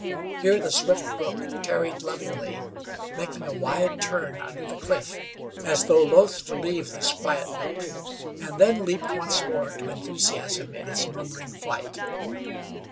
Here the swift brook tarried lovingly, making a wide turn under the cliff, as though loth to leave this quiet nook, and then leaped once more to enthusiasm in its murmuring flight.